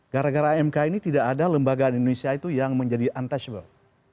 gara gara mk ini tidak ada lembaga di indonesia itu yang menjadi untousiable